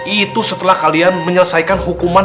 itu setelah kalian menyelesaikan hukuman